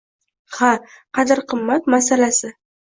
— Ha, qadr-qimmat masalasi.